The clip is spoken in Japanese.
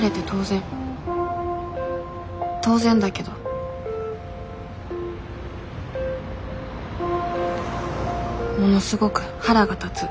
当然だけどものすごく腹が立つ。